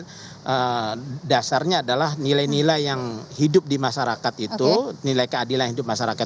dan dasarnya adalah nilai nilai yang hidup di masyarakat itu nilai keadilan hidup masyarakat